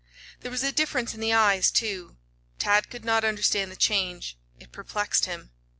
There was a difference in the eyes, too. Tad could not understand the change. It perplexed him.